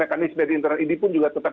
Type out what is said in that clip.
mekanisme di internal ini pun juga tetap